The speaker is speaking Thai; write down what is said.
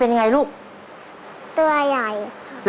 ขอบคุณครับ